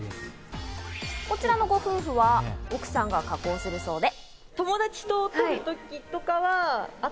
こちらのご夫婦は奥さんが加工するそうで。